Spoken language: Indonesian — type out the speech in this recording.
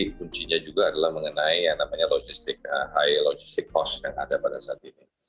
kunci nya juga adalah mengenai logistik high logistik cost yang ada pada saat ini